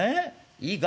いいか？